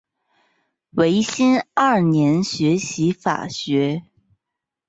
维新二年学习法学。